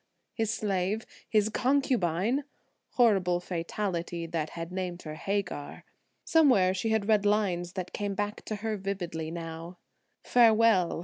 His slave, his concubine! Horrible fatality that had named her Hagar. Somewhere she had read lines that came back to her vividly now: "Farewell!